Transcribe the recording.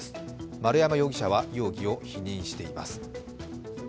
丸山容疑者は容疑を否認しています。